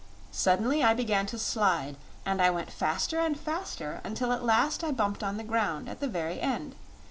Suddenly I began to slide, and I went faster and faster until at last I bumped on the ground, at the very end.